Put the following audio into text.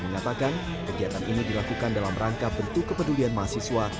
mengatakan kegiatan ini dilakukan dalam rangka bentuk kepedulian mahasiswa